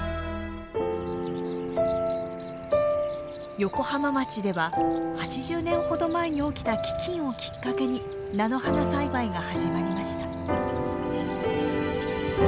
横浜町では８０年ほど前に起きた飢きんをきっかけに菜の花栽培が始まりました。